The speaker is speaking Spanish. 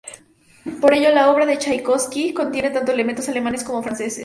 Por ello, la obra de Chaikovski contiene tanto elementos alemanes como franceses.